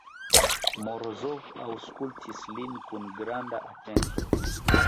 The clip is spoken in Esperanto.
Morozov aŭskultis lin kun granda atento.